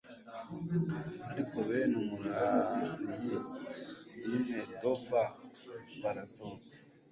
ariko bene amurayi, b'i medoba, barasohoka